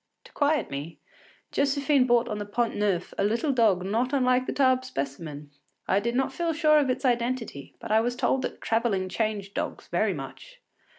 To quiet me, Josephine bought on the Pont Neuf a little dog not unlike the Tarbes specimen. I did not feel sure of its identity, but I was told that travelling changed dogs very much.